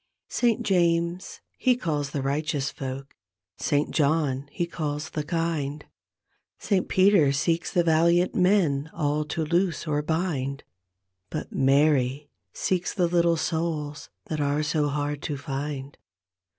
Saint James he calls the righteous folk. Saint John he calls the kind. Saint Peter seeks the valiant men all to loose or bind, But Maty seeks the little' souls that are so hard to iind.